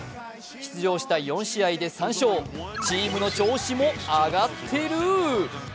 出場した４試合で３勝チームの調子も上がってる。